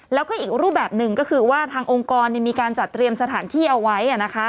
แล้วก็อีกรูปแบบหนึ่งก็คือว่าทางองค์กรมีการจัดเตรียมสถานที่เอาไว้